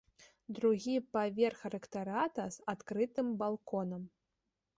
Другі паверх рэктарата з адкрытым балконам.